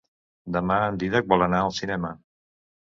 Demà en Dídac vol anar al cinema.